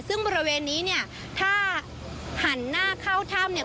ซึ่งบริเวณนี้เนี่ยถ้าหันหน้าเข้าถ้ำเนี่ย